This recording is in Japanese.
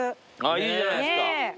いいじゃないですか。